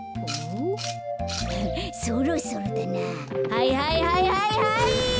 はいはいはいはいはい！